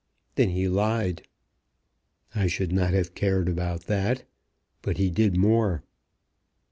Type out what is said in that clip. "Then he lied." "I should not have cared about that; but he did more."